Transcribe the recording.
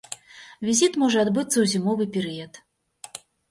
Візіт можа адбыцца ў зімовы перыяд.